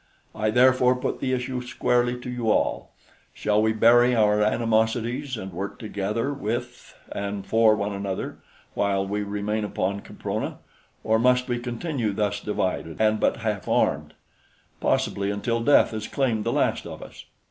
I therefore put the issue squarely to you all; shall we bury our animosities and work together with and for one another while we remain upon Caprona, or must we continue thus divided and but half armed, possibly until death has claimed the last of us?